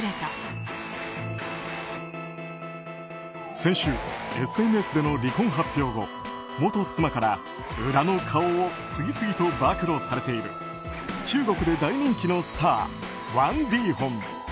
先週、ＳＮＳでの離婚発表後元妻から裏の顔を次々と暴露されている中国で大人気のスターワン・リーホン。